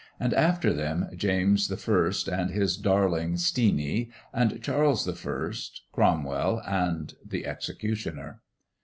And after them James I. and his darling "Steenie," and Charles I., Cromwell, and the executioner.